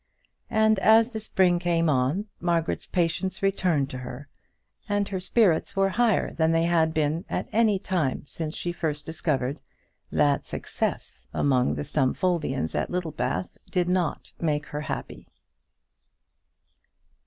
And as the spring came on, Margaret's patience returned to her, and her spirits were higher than they had been at any time since she first discovered that success among the Stumfoldians at Littlebath did not make her happy.